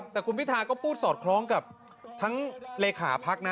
แต่คุณพิธาก็พูดสอดคล้องกับทั้งเลขาพักนะ